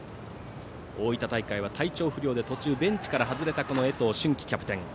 大分大会は体調不良で途中、外れた江藤隼希キャプテン。